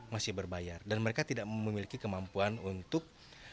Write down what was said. masih berbayar dan mereka tidak memiliki kemampuan untuk